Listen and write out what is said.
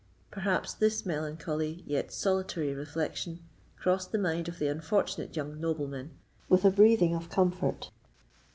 Perhaps this melancholy yet consolatory reflection crossed the mind of the unfortunate young nobleman with a breathing of comfort.